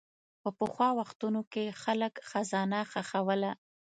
په پخوا وختونو کې خلک خزانه ښخوله.